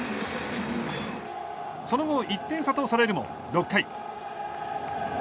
その後、１点差とされるも６回。